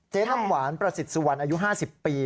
น้ำหวานประสิทธิ์สุวรรณอายุ๕๐ปี